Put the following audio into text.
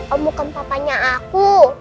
om bukan papanya aku